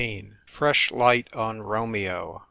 FRESH LIGHT ON ROMEO.